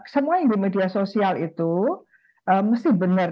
semua yang di media sosial itu mesti benar